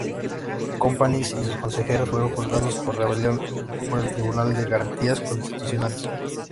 Companys y sus consejeros fueron juzgados por rebelión por el Tribunal de Garantías Constitucionales.